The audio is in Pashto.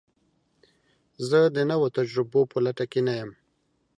زه د نوو تجربو په لټه کې نه یم.